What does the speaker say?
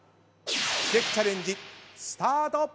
奇跡チャレンジスタート。